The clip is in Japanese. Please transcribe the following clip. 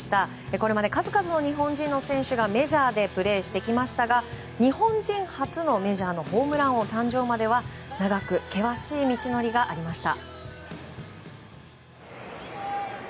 これまで数々の選手がメジャーでプレーしてきましたが日本人初のメジャーホームラン王誕生までは長く険しい道のりがありました。